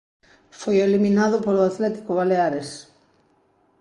Foi eliminado polo Atlético Baleares.